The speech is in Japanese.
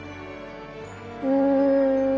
うん。